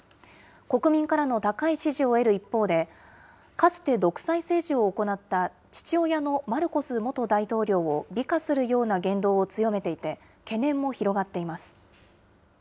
国民からの高い支持を得る一方で、かつて独裁政治を行った父親のマルコス元大統領を美化するような言動を強めていて、懸念も広がっています。